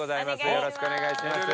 よろしくお願いします。